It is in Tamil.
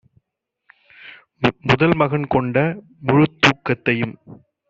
முதல்மகன் கொண்ட முழுத்தூக் கத்தையும்